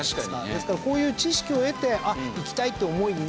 ですからこういう知識を得て行きたいという思いになって。